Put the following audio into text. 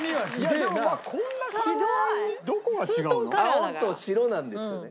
青と白なんですよね。